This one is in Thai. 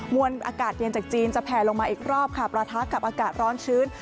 วนอากาศเย็นจากจีนจะแผลลงมาอีกรอบค่ะประทะกับอากาศร้อนชื้น